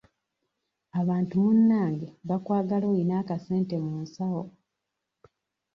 Abantu munnange bakwagala oyina akasente mu nsawo.